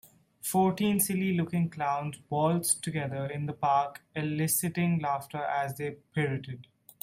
Fourteen silly looking clowns waltzed together in the park eliciting laughter as they pirouetted.